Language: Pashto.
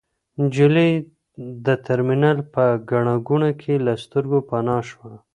نجلۍ د ترمینل په ګڼه ګوڼه کې له سترګو پناه شوه.